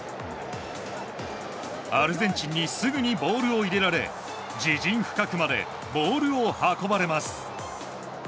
アルゼンチンにすぐにボールを入れられ自陣深くまでボールを運ばれます。